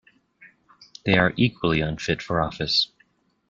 They are equally unfit for office